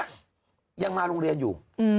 ยังมาโรงเรียนอยู่